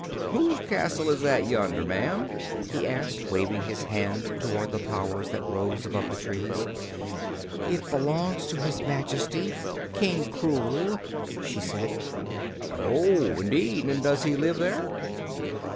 "Whose castle is that, yonder, ma'am?" he asked, waving his hand toward the towers that rose above the trees. "It belongs to his Majesty, King Krewl." she said. "Oh, indeed; and does he live there?"